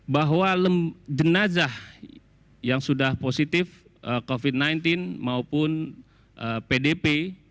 bahwa jenazah yang sudah positif covid sembilan belas maupun pdp